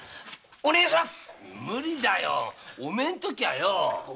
お願いします！